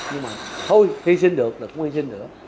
nhưng mà thôi hy sinh được là cũng hy sinh được